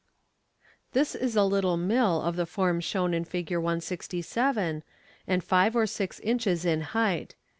— This is a little Mill of the form shown in Fig. 167, and five or six inches in height.